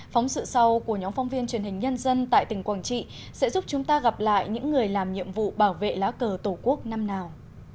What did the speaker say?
phóng sự sau của nhóm phóng viên truyền hình nhân dân tại tỉnh quảng trị sẽ giúp chúng ta gặp lại những người làm nhiệm vụ bảo vệ lá cờ tổ quốc năm nào